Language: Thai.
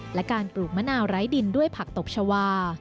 และการปลูกมะนาวไร้ดินด้วยผักตบชาวา